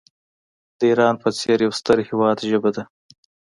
د ایران په څېر یو ستر هیواد ژبه ده.